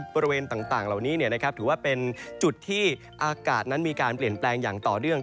บริเวณต่างเหล่านี้ถือว่าเป็นจุดที่อากาศนั้นมีการเปลี่ยนแปลงอย่างต่อเนื่อง